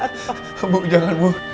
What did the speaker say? ibu jangan ibu